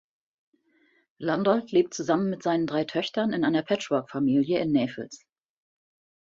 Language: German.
Landolt lebt zusammen mit seinen drei Töchtern in einer Patchworkfamilie in Näfels.